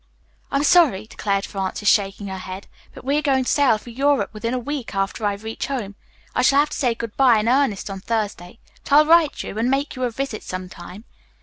"I'm sorry," declared Frances, shaking her head, "but we are going to sail for Europe within a week after I reach home. I shall have to say good bye in earnest on Thursday. But I'll write you, and make you a visit some time."